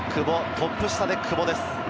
トップ下で久保です。